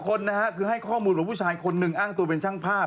คนนะฮะคือให้ข้อมูลว่าผู้ชายคนหนึ่งอ้างตัวเป็นช่างภาพ